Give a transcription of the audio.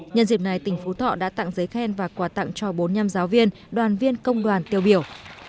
nhân dịp này tỉnh phú thọ đã tặng giấy khen và quà tặng cho bốn mươi năm giáo viên đoàn viên công đoàn tiêu biểu